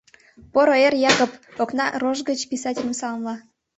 — Поро эр, Якып! — окна рож гыч писательым саламла.